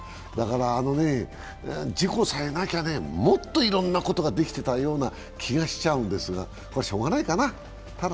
あの事故さえなきゃ、もっといろんなことができたような気がするんだけどこれしようがないかな。